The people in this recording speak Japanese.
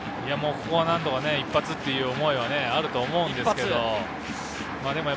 ここは何とか一発という思いはあると思うんですけど。